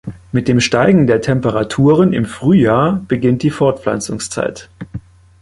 Mit dem Steigen der Temperaturen im Frühjahr beginnt die Fortpflanzungszeit.